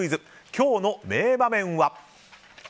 今日の名場面は。